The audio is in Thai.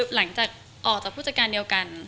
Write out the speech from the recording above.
หลังจากออกจากผู้จัดการเดียวกัน